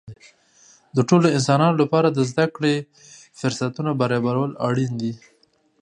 د ټولو انسانانو لپاره د زده کړې فرصتونه برابرول اړین دي.